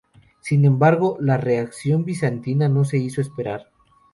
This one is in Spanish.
Sin embargo, la reacción bizantina no se hizo esperar.